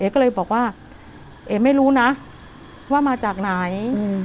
ก็เลยบอกว่าเอ๊ไม่รู้นะว่ามาจากไหน